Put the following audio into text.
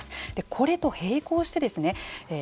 これと並行してですね